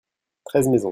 treize maisons.